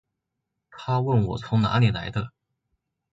她问我从哪里来的